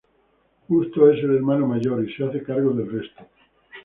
Justo es el hermano mayor y se hace cargo del resto.